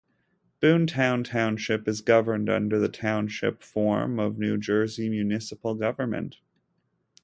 Boonton Township is governed under the Township form of New Jersey municipal government.